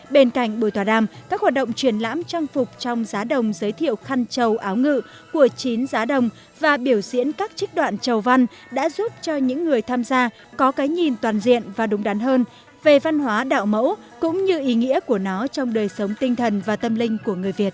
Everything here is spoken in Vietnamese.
bên cạnh buổi tòa đàm các hoạt động triển lãm trang phục trong giá đồng giới thiệu khăn trầu áo ngự của chín giá đồng và biểu diễn các trích đoạn chầu văn đã giúp cho những người tham gia có cái nhìn toàn diện và đúng đắn hơn về văn hóa đạo mẫu cũng như ý nghĩa của nó trong đời sống tinh thần và tâm linh của người việt